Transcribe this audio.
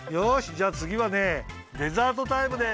じゃつぎはねデザートタイムです！